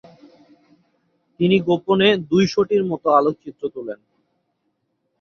তিনি গোপণে দুইশোটির মত আলোকচিত্র তোলেন।